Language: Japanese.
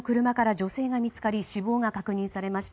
女性が見つかり死亡が確認されました。